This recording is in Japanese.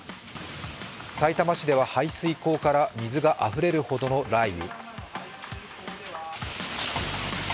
さいたま市では排水溝から水があふれるほどの雷雨。